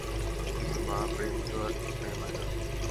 কিন্তু মা, প্রেম তো আর বিছানায় হয় না?